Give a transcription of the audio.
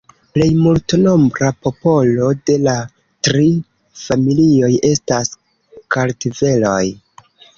Plej multnombra popolo de la tri familioj estas kartveloj.